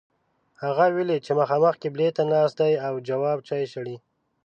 هغه ولید چې مخامخ قبلې ته ناست دی او جواب چای شړي.